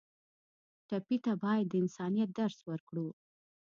ټپي ته باید د انسانیت درس ورکړو.